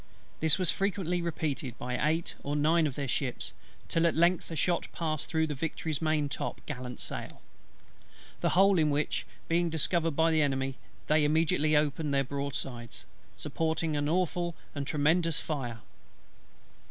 This was frequently repeated by eight or nine of their ships, till at length a shot passed through the Victory's main top gallant sail; the hole in which being discovered by the Enemy, they immediately opened their broadsides, supporting an awful and tremendous fire.